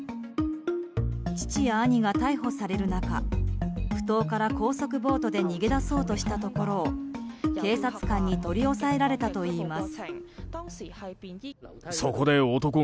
父や兄が逮捕される中ふ頭から高速ボートで逃げ出そうとしたところを警察官に取り押さえられたといいます。